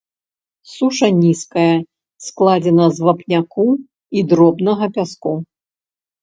Суша нізкая, складзена з вапняку і дробнага пяску.